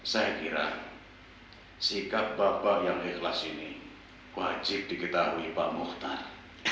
saya kira sikap bapak yang ikhlas ini wajib diketahui pak muhtar